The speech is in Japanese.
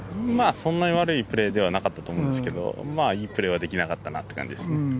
そんなに悪いプレーではなかったと思うんですけどいいプレーはできなかったなという感じですね。